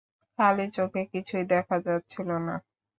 খালি চোখে কিছুই দেখা যাচ্ছিল না।